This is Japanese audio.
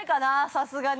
さすがに。